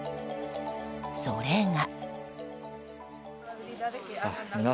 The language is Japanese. それが。